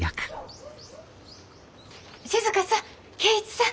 静さん圭一さん！